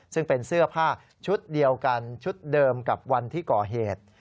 ซึ่งเป็นเสื้อผ้าชุดเดียวกันชุดเดิมกับวันที่ก่อเหตุ